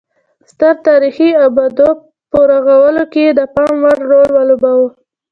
ستر تاریخي ابدو په رغولو کې یې د پام وړ رول ولوباوه